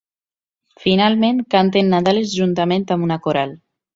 Finalment, canten nadales juntament amb una Coral.